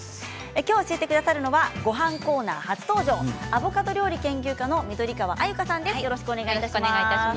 きょう教えてくださるのはごはんコーナー初登場アボカド料理研究家の緑川鮎香さんです。